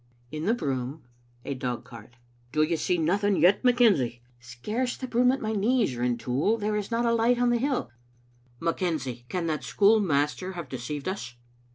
In the broom — a dogcart: " Do you see nothing yet, McKenzie?" " Scarce the broom at my knees, Rintoul. There is not alight on the hill." " McKenzie, can that schoolmaster have deceived us?"